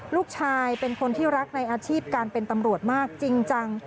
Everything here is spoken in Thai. ลูกชายเป็นคนที่รักในอาชีพการเป็นตำรวจมากจริงจัง